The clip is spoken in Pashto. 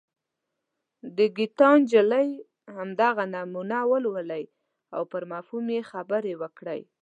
د ګیتا نجلي همدغه نمونه ولولئ او پر مفهوم یې خبرې وکړئ.